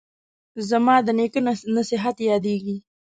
زما د نیکه نصیحت یادیږي